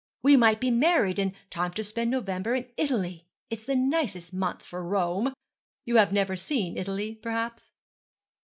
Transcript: We might be married in time to spend November in Italy. It is the nicest month for Rome. You have never seen Italy, perhaps?'